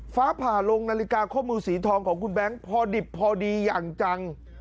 ฟ้าผ่าลงนาฬิกาข้อมือสีทองของคุณแบงค์พอดิบพอดีอย่างจัง